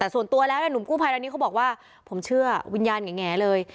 แต่ส่วนตัวแล้วหนุ่มกู้ภัยรายนี้เขาบอกว่าผมเชื่อวิญญาณแง่เลย